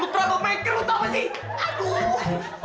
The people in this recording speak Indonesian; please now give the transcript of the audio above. lu troublemaker lu tau gak sih